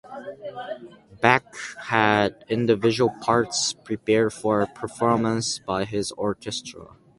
Bach had individual parts prepared for performance by his orchestra.